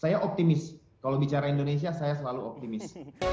saya optimis kalau bicara indonesia saya selalu optimis